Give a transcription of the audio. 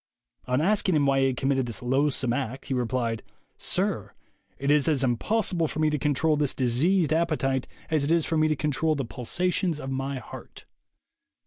On asking him why he had committed this loathsome act, he replied: 'Sir, it is as impossible for me to control this diseased appetite as it is for me to control the pulsations of my heart.'